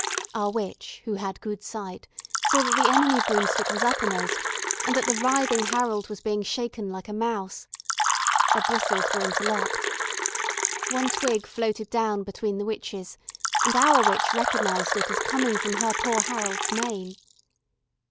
Our witch, who had good sight, saw that the enemy broomstick was upper most, and that the writhing Harold was being shaken like a mouse. Their bristles were interlocked. One twig floated down between the witches, and our witch recognised it as coming from her poor Harold's mane.